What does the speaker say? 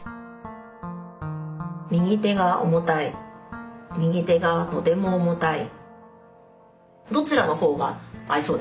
右手が重たい右手がとても重たい。